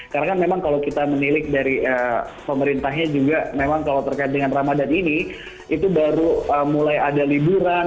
karena kan memang kalau kita menilik dari pemerintahnya juga memang kalau terkait dengan ramadan ini itu baru mulai ada liburan